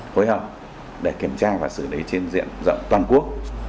phối hợp để kiểm tra và xử lý trên diện rộng toàn quốc